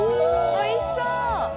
おいしそう！